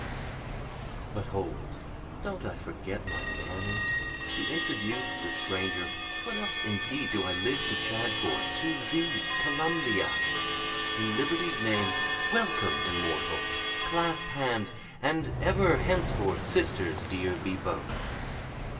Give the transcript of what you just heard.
4 But hold don't I forget my manners? To introduce the stranger, (what else indeed do I live to chant for?) to thee Columbia; In liberty's name welcome immortal! clasp hands, And ever henceforth sisters dear be both.